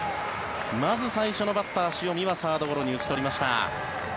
まず最初のバッター、塩見はサードゴロに打ち取りました。